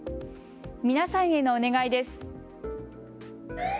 皆さんへのお願いです。